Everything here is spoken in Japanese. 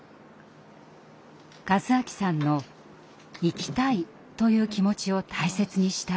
和明さんの「生きたい」という気持ちを大切にしたい両親。